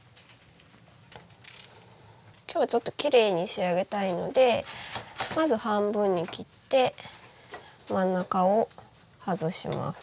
今日はちょっときれいに仕上げたいのでまず半分に切って真ん中を外します。